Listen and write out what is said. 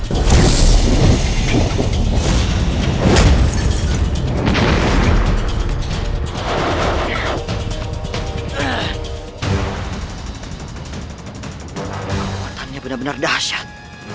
kepuatannya benar benar dahsyat